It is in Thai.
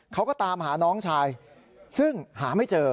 เขาก็ตามหาน้องชายซึ่งหาไม่เจอ